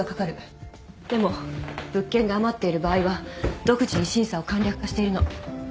でも物件が余っている場合は独自に審査を簡略化しているの。